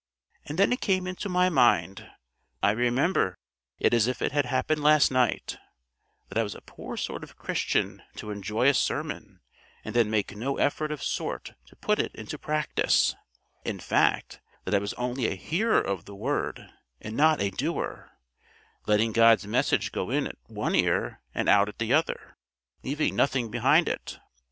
And then it came into my mind (I remember it as if it had happened last night) that I was a poor sort of Christian to enjoy a sermon and then make no sort of effort to put it into practice; in fact, that I was only a hearer of the Word, and not a doer, letting God's message go in at one ear and out at the other, leaving nothing behind it.